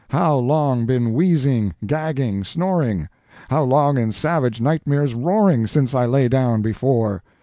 —how long been wheezing, gagging, snoring?—how long in savage nightmares roaring, since I lay down before?"